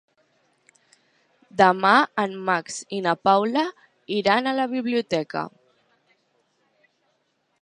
Demà en Max i na Paula iran a la biblioteca.